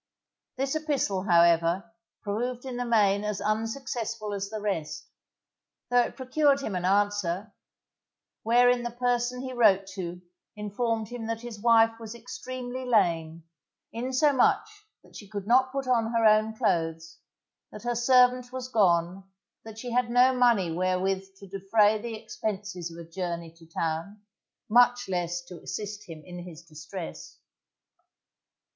This epistle, however, proved in the main as unsuccessful as the rest, though it procured him an answer, wherein the person he wrote to informed him that his wife was extremely lame, insomuch that she could not put on her own clothes; that her servant was gone; that she had no money wherewith to defray the expenses of a journey to town, much less to assist him in his distress.